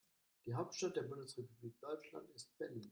Die Hauptstadt der Bundesrepublik Deutschland ist Berlin